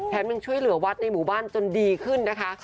ยังช่วยเหลือวัดในหมู่บ้านจนดีขึ้นนะคะ